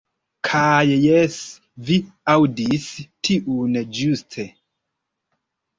Kaj jes vi aŭdis tiun ĵuste.